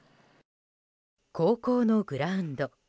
高校のグラウンド。